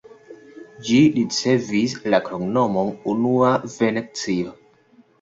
Ĝi ricevis la kromnomon "unua Venecio".